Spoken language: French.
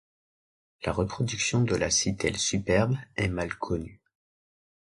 La reproduction de la Sittelle superbe est mal connue.